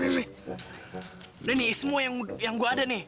ini semua yang gue ada nih